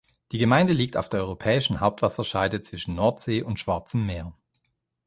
Die Gemeinde liegt auf der europäischen Hauptwasserscheide zwischen Nordsee und Schwarzem Meer.